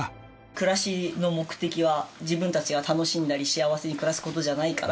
暮らしの目的は自分たちが楽しんだり幸せに暮らす事じゃないから。